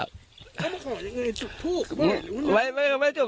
แล้วมาขออย่างไรจุดพูดกับแม่หรืออะไร